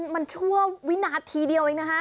มันชั่ววินาทีเดียวเองนะฮะ